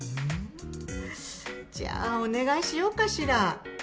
じゃあ、お願いしようかしら。